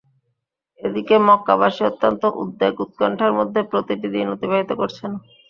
এদিকে মক্কাবাসী অত্যন্ত উদ্ধেগ-উৎকণ্ঠার মধ্যে প্রতিটি দিন অতিবাহিত করছিল।